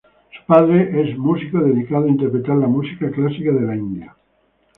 Su padre es músico dedicado a interpretar la música clásica de la India.